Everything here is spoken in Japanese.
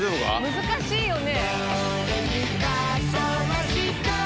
難しいよね。